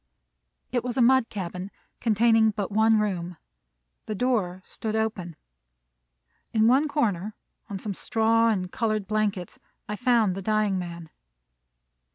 It was a mud cabin, containing but one room. The door stood open. In one corner, on some straw and colored blankets, I found the dying man.